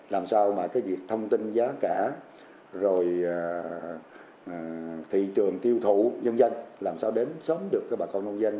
làm sao việc thông tin giá cả thị trường tiêu thụ nhân dân làm sao đến sớm được bà con nông dân